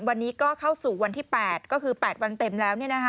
วันนี้ก็เข้าสู่วันที่๘ก็คือ๘วันเต็มแล้ว